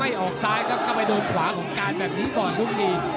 ไม่ได้ออกซ้ายก็เข้าไปโดนขวาของการแบบนี้ก่อนคุณผู้ชม